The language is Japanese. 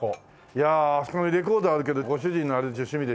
いやああそこにレコードあるけどご主人の趣味でしょ。